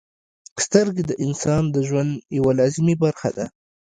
• سترګې د انسان د ژوند یوه لازمي برخه ده.